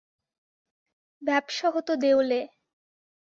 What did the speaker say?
ব্যাবসা হত দেউলে।